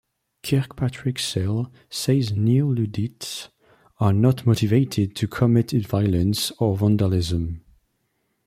Kirkpatrick Sale says Neo-Luddites are not motivated to commit violence or vandalism.